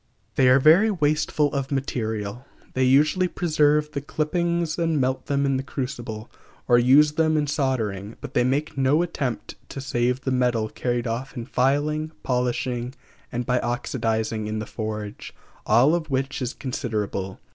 They are very wasteful of material. They usually preserve the clippings and melt them in the crucible, or use them in soldering; but they make no attempt to save the metal carried off in filing, polishing, and by oxidizing in the forge, all of which is considerable.